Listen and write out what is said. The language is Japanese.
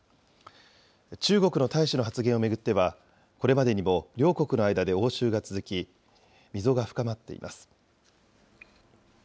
中国の大使の発言を巡っては、これまでにも両国の間で応酬が続き、溝が深まっています。